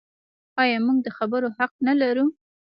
آیا موږ د خبرو حق نلرو؟